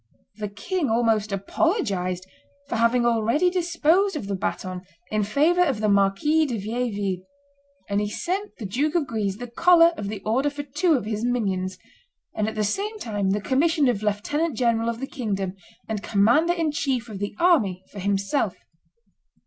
The king almost apologized for having already disposed of the baton in favor of the Marquis de Vieilleville, and he sent the Duke of Guise the collar of the order for two of his minions, and at the same time the commission of lieutenant general of the kingdom and commander in chief of the army for himself.